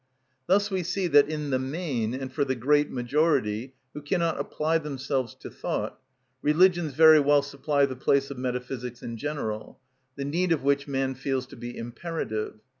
Thus we see that in the main, and for the great majority, who cannot apply themselves to thought, religions very well supply the place of metaphysics in general, the need of which man feels to be imperative.